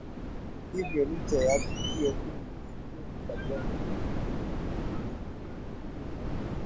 hivyo licha ya tukio hilo shughuli za bunge